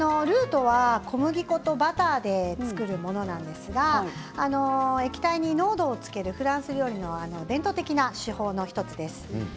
ルーとは小麦粉とバターで作るものなんですけれど液体に濃度をつけるフランス料理の伝統的な手法の１つです。